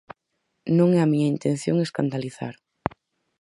Non é a miña intención escandalizar.